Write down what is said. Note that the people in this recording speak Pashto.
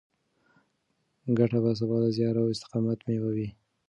ګټه به ستا د زیار او استقامت مېوه وي.